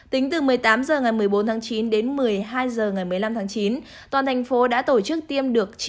tính từ một mươi tám h ngày một mươi bốn tháng chín đến một mươi hai h ngày một mươi năm tháng chín toàn thành phố đã tổ chức tiêm